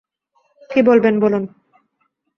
কি বলবেন বলুন।